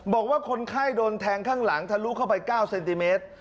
บอกว่าคนไข้โดนแทงข้างหลังทะลุเข้าไป๙เซนติเมตร